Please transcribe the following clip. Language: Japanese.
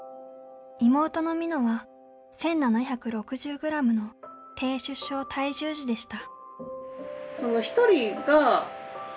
妹のみのは１，７６０グラムの低出生体重児でした。